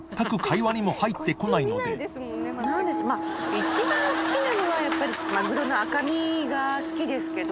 一番好きなのはやっぱりマグロの赤身が好きですけど。